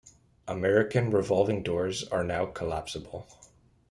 American revolving doors are now collapsible.